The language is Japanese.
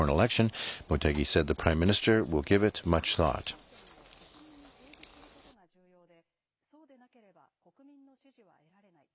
その上で、解散は問いたい争点を国民に提示することが重要で、そうでなければ国民の支持は得られない。